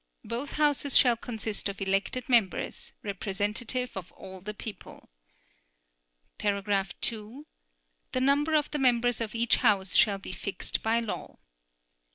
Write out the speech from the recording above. Both Houses shall consist of elected members, representative of all the people. (2) The number of the members of each House shall be fixed by law.